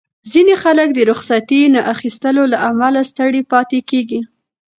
ځینې خلک د رخصتۍ نه اخیستو له امله ستړي پاتې کېږي.